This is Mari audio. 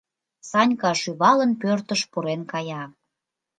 — Санька, шӱвалын, пӧртыш пурен кая.